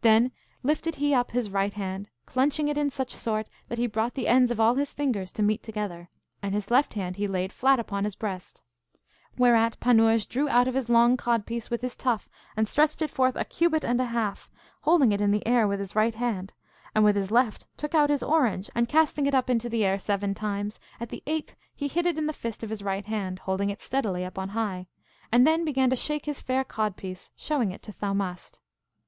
Then lifted he up his right hand, clunching it in such sort that he brought the ends of all his fingers to meet together, and his left hand he laid flat upon his breast. Whereat Panurge drew out his long codpiece with his tuff, and stretched it forth a cubit and a half, holding it in the air with his right hand, and with his left took out his orange, and, casting it up into the air seven times, at the eighth he hid it in the fist of his right hand, holding it steadily up on high, and then began to shake his fair codpiece, showing it to Thaumast.